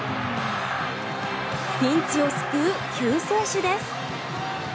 ピンチを救う救世主です。